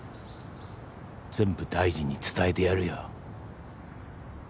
全部大臣に伝えてやるよ。